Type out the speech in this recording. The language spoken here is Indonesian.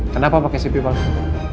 kenapa pakai cv palsu